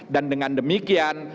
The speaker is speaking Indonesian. dan dengan demikian